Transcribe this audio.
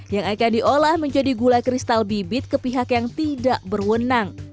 yang akan diolah menjadi gula kristal bibit ke pihak yang tidak berwenang